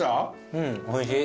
うんおいしい。